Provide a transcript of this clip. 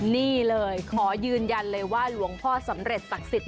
นี่เลยขอยืนยันเลยว่าหลวงพ่อสำเร็จศักดิ์สิทธิ